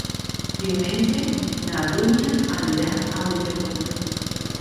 Diumenge na Dúnia anirà a Ulldecona.